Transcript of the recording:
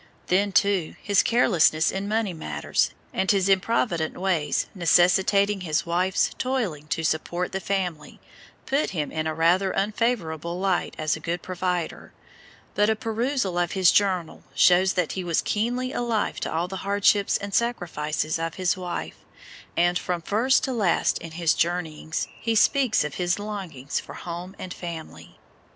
Then, too, his carelessness in money matters, and his improvident ways, necessitating his wife's toiling to support the family, put him in a rather unfavourable light as a "good provider," but a perusal of his journal shows that he was keenly alive to all the hardships and sacrifices of his wife, and from first to last in his journeyings he speaks of his longings for home and family.